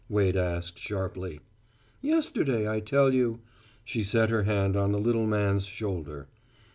Wade asked, sharply. "Yesterday, I tell you." She set her hand on the little man's shoulder.